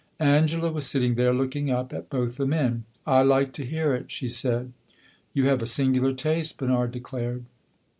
Angela was sitting there, looking up at both the men. "I like to hear it," she said. "You have a singular taste!" Bernard declared.